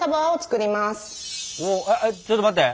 ちょっと待って。